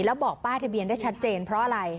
แล้วบอกป้ายทะเบียนได้ชัดเจนเพราะอะไร